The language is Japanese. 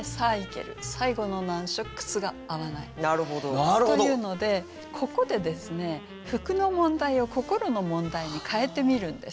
最後の難所靴が合わない」というのでここでですね服の問題を心の問題に変えてみるんです。